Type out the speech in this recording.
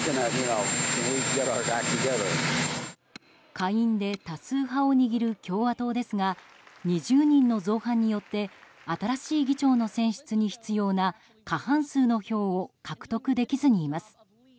下院で多数派を握る共和党ですが２０人の造反によって新しい議長の選出に必要な過半数の票を獲得できずにいます。